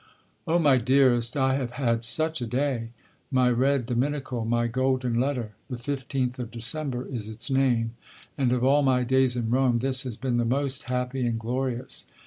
Oh, my dearest, I have had such a day my red Dominical, my Golden Letter, the 15th of December is its name, and of all my days in Rome this has been the most happy and glorious.